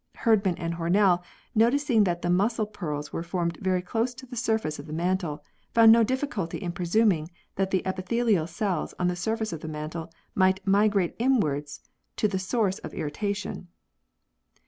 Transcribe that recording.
Herdman and Hornell, noticing that the muscle pearls were formed very close to the surface of the mantle, found no difficulty in presuming that the epithelial cells on the surface of the mantle might migrate inwards to the source of irritation.